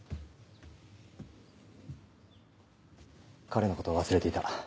彼のことを忘れていた。